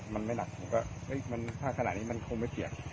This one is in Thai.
มันไม่หนักถ้าขนาดนี้มันคงไม่เกี่ยว